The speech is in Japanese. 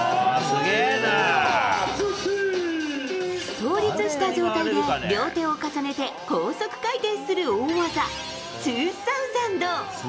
倒立した状態で両手を重ねて高速回転する大技ツーサウザンド。